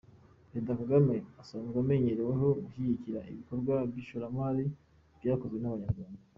Perezida Kagame asanzwe amenyereweho gushyigikira ibikorwa by’ishoramari byakozwe n’Abanyarwanda.